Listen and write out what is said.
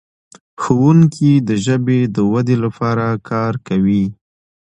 ښوونکي د ژبې د ودې لپاره کار کوي.